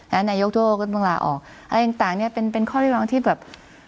นายกโทษก็ต้องลาออกอะไรต่างเนี้ยเป็นเป็นข้อเรียกร้องที่แบบ